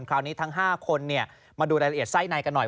ทั้ง๕คนมาดูรายละเอียดไส้ในกันหน่อย